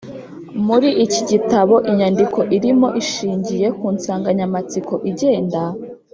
Muri iki gitabo, imyandiko irimo ishingiye ku nsanganyamatsiko igenda